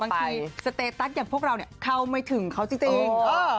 บางทีสเตตัสอย่างพวกเราเนี่ยเขาไม่ถึงเขาจริง